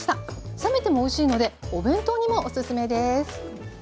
冷めてもおいしいのでお弁当にもおすすめです。